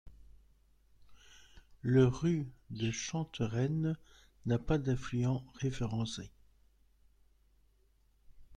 Le Ru de Chantereine n'a pas d'affluent référencé.